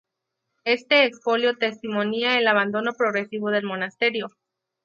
Este expolio testimonia el abandono progresivo del monasterio.